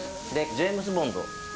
ジェームズ・ボンド？